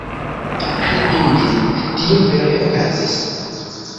Kredu min, tio vere okazis.